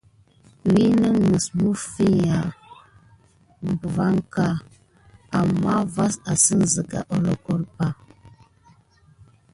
Wine mis madulanki mifia vaŋ ka amà vas asine sika à léklole ɓa.